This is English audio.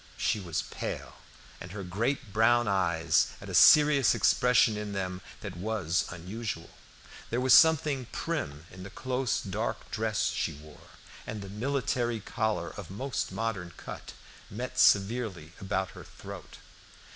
She was pale, and her great brown eyes had a serious expression in them that was unusual. There was something prim in the close dark dress she wore, and the military collar of most modern cut met severely about her throat.